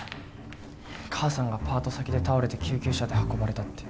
母さんがパート先で倒れて救急車で運ばれたって。